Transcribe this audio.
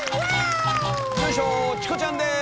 チコちゃんです！